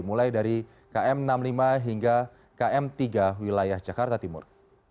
mulai dari km enam puluh lima hingga km tiga wilayah jakarta timur